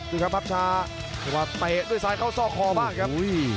ถูกครับภาพชาหรือว่าเตะด้วยซ้ายเข้าซอกคอบ้างครับ